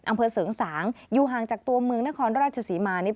อำเภอเสริงสางอยู่ห่างจากตัวเมืองนครราชศรีมานี่